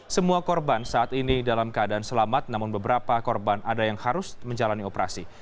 semua korban saat ini dalam keadaan selamat namun beberapa korban ada yang harus menjalani operasi